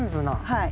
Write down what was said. はい。